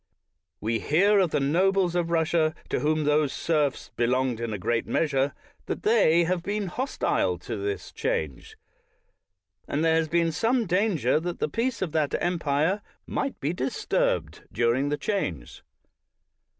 We hear of the nobles of Russia, to whom those serfs belonged in a great measure, that they have been hostile to this change; and there has been some danger that the peace of that empire might be disturbed 250 BRIGHT during the change.